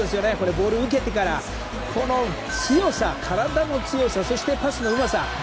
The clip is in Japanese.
ボールを受けてからこの体の強さそしてパスのうまさ。